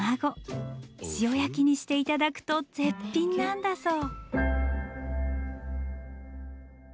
塩焼きにして頂くと絶品なんだそう。